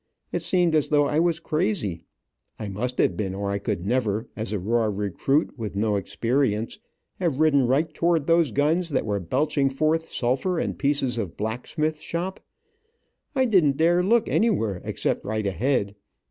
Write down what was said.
It seemed as though I was crazy. I must have been or I could never, as a raw recruit, with no experience, have ridden right toward those guns that were belching forth sulphur and pieces of blacksmith shop. I didn't dare look anywhere except right ahead.